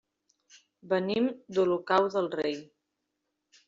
Venim d'Olocau del Rei.